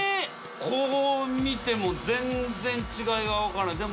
こう見ても全然違いが分からないでも。